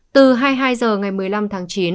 từ hai mươi hai h ngày một mươi năm tháng chín